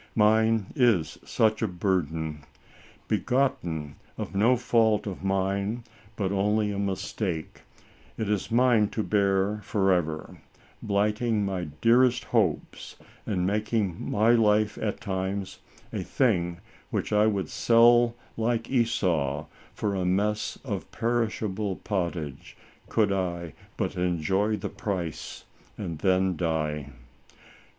Mine is such a burden. Begotten of no fault of mine, but only a mistake, it is mine to bear forever, blighting my dearest hopes and making my life at times, a thing, which I would sell, like Esau, for a mess of perishable pottage, could I but enjoy the price, and then die."